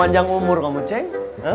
panjang umur kamu ceng